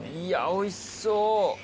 いやおいしそう。